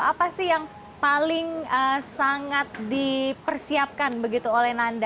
apa sih yang paling sangat dipersiapkan begitu oleh nanda